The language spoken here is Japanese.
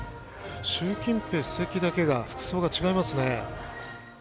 習近平主席だけが服装が違いますね。